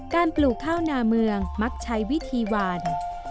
ปลูกข้าวนาเมืองมักใช้วิธีหวาน